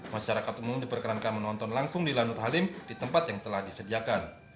masyarakat umum diperkenankan menonton langsung di lanut halim di tempat yang telah disediakan